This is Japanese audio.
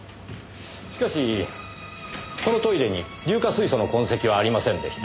しかしこのトイレに硫化水素の痕跡はありませんでした。